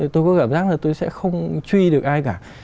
tôi có cảm giác là tôi sẽ không truy được ai cả